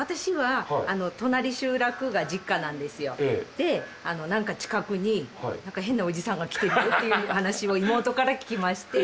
でなんか近くに変なおじさんが来てるよっていう話を妹から聞きまして。